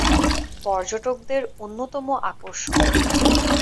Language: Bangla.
পর্যটকদের অন্যতম আকর্ষণ।